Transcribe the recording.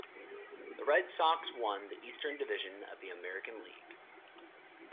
The Red Sox won the Eastern Division of the American League.